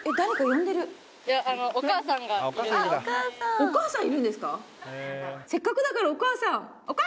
お母さんいるんですか？